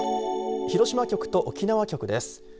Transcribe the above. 広島局と沖縄局です。